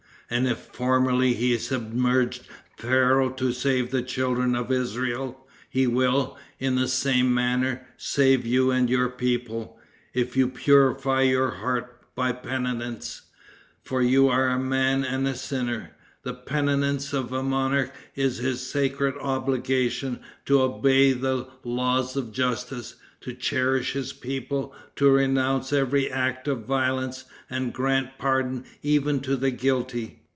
And if formerly he submerged Pharaoh to save the children of Israel, he will, in the same manner, save you and your people, if you purify your heart by penitence, for you are a man and a sinner. The penitence of a monarch is his sacred obligation to obey the laws of justice, to cherish his people, to renounce every act of violence, and grant pardon even to the guilty.